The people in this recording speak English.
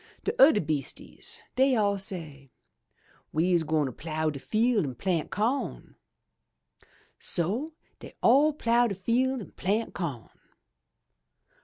* '*De udder beastises dey all say, *We's gwine plough de field an' plant co*n/ So dey all plough de field an' plant co'n.